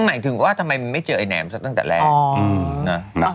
หมายถึงว่าทำไมมันไม่เจอไอ้แหนมซะตั้งแต่แรกนะ